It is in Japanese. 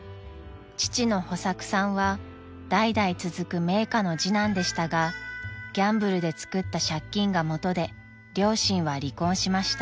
［父の保作さんは代々続く名家の次男でしたがギャンブルでつくった借金がもとで両親は離婚しました］